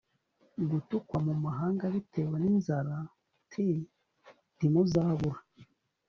gutukwa mu mahanga bitewe n inzara t ntimuzabura